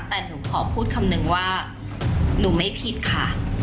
แต่หนูขอพูดคำนึงว่าหนูไม่ผิดค่ะ